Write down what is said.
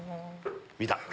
見た。